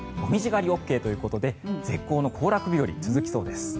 狩りＯＫということで絶好の行楽日和、続きそうです。